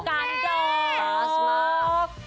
ตาสมาก